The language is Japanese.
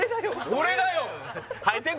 俺だよ